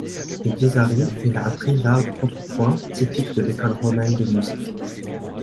De Pisari, il a appris l'art du contrepoint typique de l'école romaine de musique.